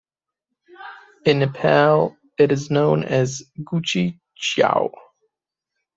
In Nepal it is known as "Guchi chyau".